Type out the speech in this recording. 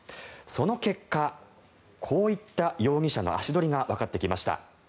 その結果、こういった容疑者の足取りがわかってきました。